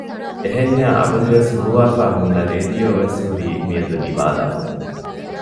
އެހެންޏާ އަބަދުވެސް ހުޅުވާފައި ހުންނަ ރެޑިޔޯވެސް ހުރީ މިއަދު ނިވާލާފަ